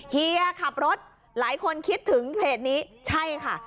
เฮียขับรถหลายคนคิดถึงเพจนี้ใช่ค่ะ